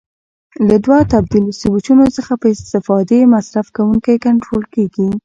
له دوو تبدیل سویچونو څخه په استفادې مصرف کوونکی کنټرول کېږي.